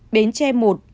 bến tre một